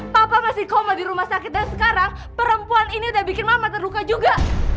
papa masih koma di rumah sakit dan sekarang perempuan ini udah bikin mama terluka juga